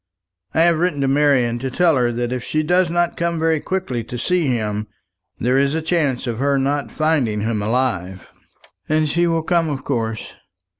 I have written to Marian to tell her that if she does not come very quickly to see him, there is a chance of her not finding him alive." "And she will come of course."